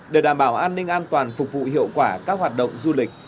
để đảm bảo an ninh an toàn phục vụ hiệu quả các hoạt động du lịch